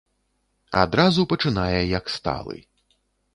Адразу пачынае, як сталы.